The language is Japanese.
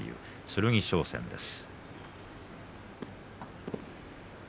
剣翔戦です。